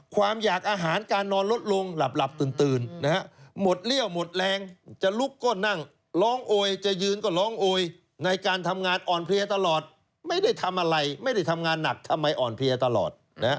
ความอยากอาหารการนอนลดลงหลับตื่นหมดเลี่ยวหมดแรงจะลุกก็นั่งร้องโอยจะยืนก็ร้องโอยในการทำงานอ่อนเพลียตลอดไม่ได้ทำอะไรไม่ได้ทำงานหนักทำไมอ่อนเพลียตลอด